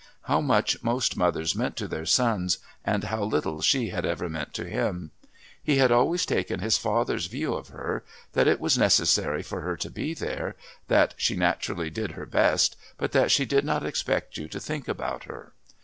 How much most mothers meant to their sons, and how little she had ever meant to him! He had always taken his father's view of her, that it was necessary for her to be there, that she naturally did her best, but that she did not expect you to think about her.